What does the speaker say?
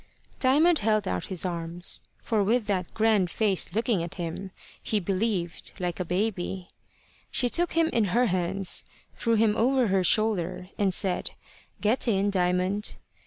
Diamond held out his arms, for with that grand face looking at him, he believed like a baby. She took him in her hands, threw him over her shoulder, and said, "Get in, Diamond."